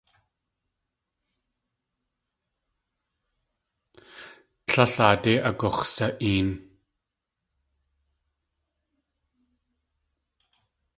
Tlél aadé agux̲sa.een.